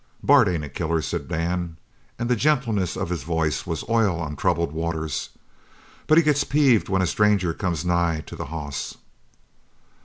"Bart ain't a killer," said Dan, and the gentleness of his voice was oil on troubled waters, "but he gets peeved when a stranger comes nigh to the hoss."